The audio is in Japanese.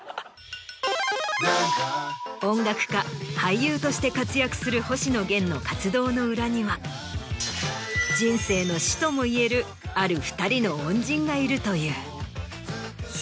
音楽家俳優として活躍する星野源の活動の裏には人生の師ともいえるある２人の恩人がいるという。